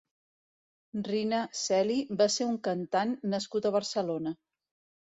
Rina Celi va ser un cantant nascut a Barcelona.